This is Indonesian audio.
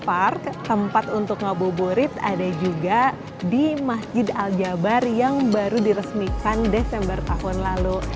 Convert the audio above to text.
park tempat untuk ngabuburit ada juga di masjid al jabar yang baru diresmikan desember tahun lalu